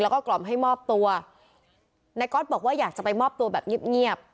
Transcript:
แล้วก็กล่อมให้มอบตัวนายก๊อตบอกว่าอยากจะไปมอบตัวแบบเงียบเงียบ